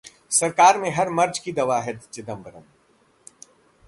सरकार में हर मर्ज की दवा हैं चिदंबरम